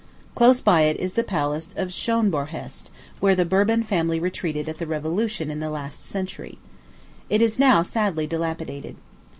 Close by it is the Palace of Schönbornhest, where the Bourbon family retreated at the revolution in the last century. It is now sadly dilapidated.